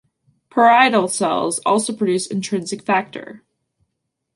Parietal cells also produce intrinsic factor.